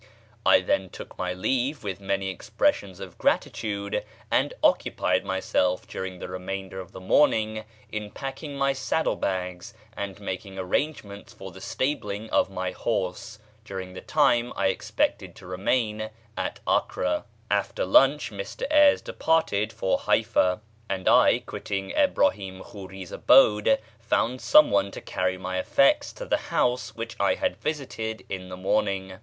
I then took my leave with many expressions of gratitude, and occupied myself during the remainder of the morning in packing my saddle bags and making arrangements for the stabling of my horse during the time I expected to remain at Acre. After lunch Mr Eyres departed for Haifá, and I, quitting Ibrahím Khurí's abode, found someone to carry my effects to the house which I had visited in the morning.